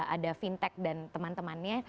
ada fintech dan teman temannya